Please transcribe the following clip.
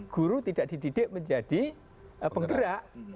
guru tidak dididik menjadi penggerak